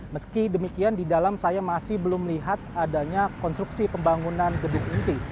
meski demikian di dalam saya masih belum melihat adanya konstruksi pembangunan gedung inti